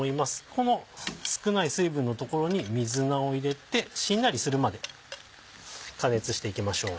この少ない水分の所に水菜を入れてしんなりするまで加熱していきましょう。